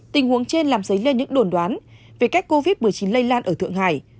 tình huống trên làm dấy lên những đồn đoán về cách covid một mươi chín lây lan ở thượng hải